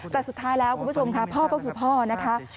แต่สุดท้ายแล้วคุณผู้ชมค่ะพ่อก็คือพ่อนะคะ